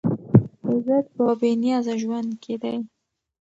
عزت په بې نیازه ژوند کې دی.